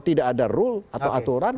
tidak ada rule atau aturan